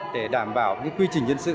để đảm bảo bình luận